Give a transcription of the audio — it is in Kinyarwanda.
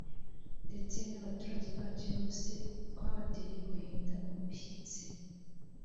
ndetse n’abaturage bacyo bose twabateye guhinda umushyitsi.